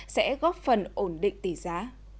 sẽ góp phần ổn định tỷ giá